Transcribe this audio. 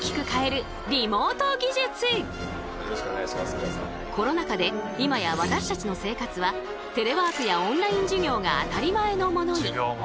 今コロナ禍で今や私たちの生活はテレワークやオンライン授業が当たり前のものに。